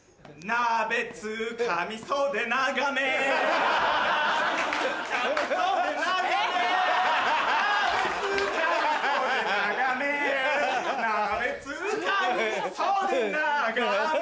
鍋つかみ袖長め